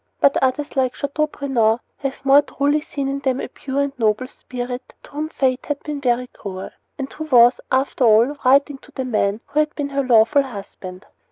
But others, like Chateaubriand, have more truly seen in them a pure and noble spirit to whom fate had been very cruel; and who was, after all, writing to the man who had been her lawful husband.